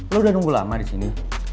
lo udah nunggu lama disini